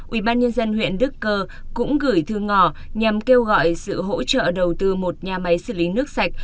ủy ban nhân dân huyện đức cơ cũng gửi thư ngỏ nhằm kêu gọi sự hỗ trợ đầu tư một nhà máy xử lý nước sạch